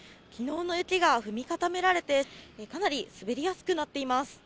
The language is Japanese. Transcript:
きのうの雪が踏み固められて、かなり滑りやすくなっています。